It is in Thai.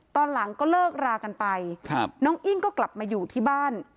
ตอนหลังก็เลิกรากันไปครับน้องอิ้งก็กลับมาอยู่ที่บ้าน